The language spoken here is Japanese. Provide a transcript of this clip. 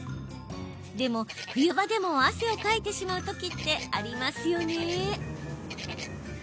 でも冬場でも汗をかいてしまうときってありますよね。